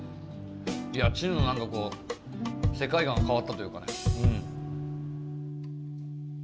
いやチヌのなんかこう世界観が変わったというかねうん。